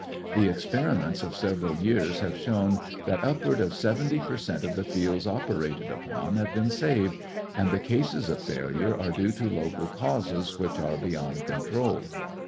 The experiments of several years have shown that upward of seventy per cent, of the fields operated upon have been saved, and the cases of failure are due to local causes which are beyond control.